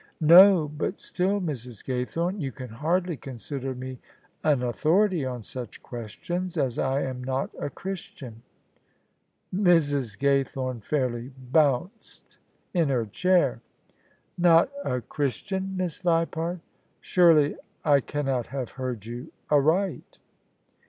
" No : but still, Mrs. Gaythorne, you can hardly con sider me an authority on such questions, as I am not a Christian." Mrs. Gaythome fairly bounced in her chair. " Not a THE SUBJECTION Christian, Miss Vipart? Surely I cannot have heard you aright."